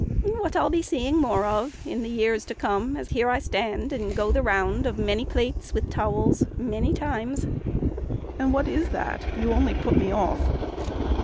"What I'll be seeing more of in the years To come as here I stand and go the round Of many plates with towels many times." "And what is that? You only put me off."